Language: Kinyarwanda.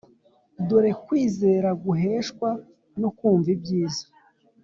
Dore kwizera guheshwa no kumva ibyiza